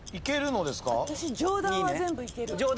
私上段は全部いける。